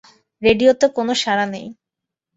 রেডিওতে কোনো সাড়া নেই!